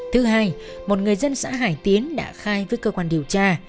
thứ hai một người dân xã hải tiến đã khai với cơ quan điều tra